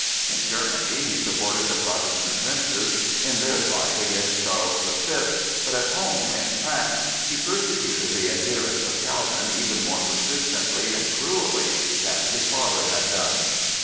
In Germany he supported the Protestant princes in their fight against Charles the Fifth, but at home, in France, he persecuted the adherents of Calvin even more persistently and cruelly than his father had done.